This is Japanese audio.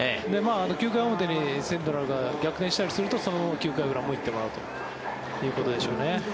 ９回表にセントラルが逆転したりするとそのまま９回裏も行ってもらうということでしょうね。